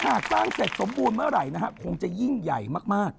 หากสร้างเสร็จสมบูรณ์เมื่อไหร่นะฮะคงจะยิ่งใหญ่มาก